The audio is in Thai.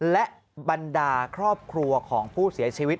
และบรรดาครอบครัวของผู้เสียชีวิต